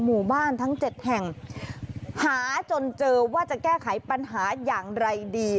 หมู่บ้านทั้ง๗แห่งหาจนเจอว่าจะแก้ไขปัญหาอย่างไรดี